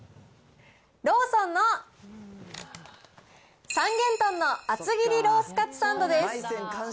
ローソンの三元豚の厚切りロースカツサンドです。